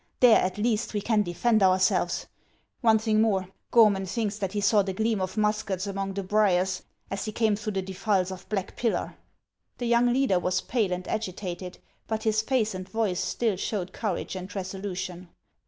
There, at least, we can defend ourselves. One thing more ; Gormon thinks that he saw the gleam of muskets among the briers as he came through the defiles of Ittack Pillar." The young leader was pale and agitated ; but his face and voice still showed courage and resolution.